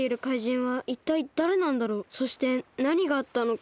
そしてなにがあったのか。